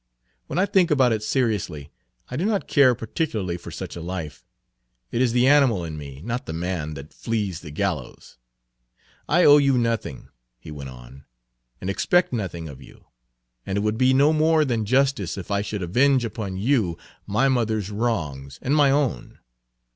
When I think about it seriously I do not care particularly for such a life. It is the animal in me, not the man, that flees the gallows. I owe you nothing," he went on, "and expect nothing of you; and it would be no more than justice if I should avenge upon you my mother's wrongs and my own.